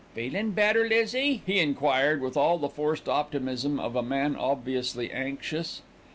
"Feelin' better, Lizzie?" he enquired, with all the forced optimism of a man obviously anxious.